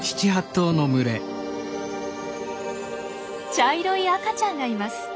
茶色い赤ちゃんがいます。